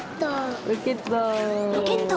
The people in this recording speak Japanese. ロケット。